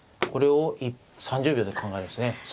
これを３０秒で考えますね。